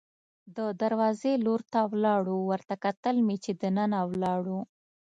د دروازې لور ته ولاړو، ورته کتل مې چې دننه ولاړه.